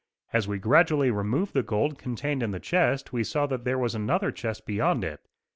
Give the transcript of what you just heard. As we gradually removed the gold contained in the chest we saw that there was another chest beyond it.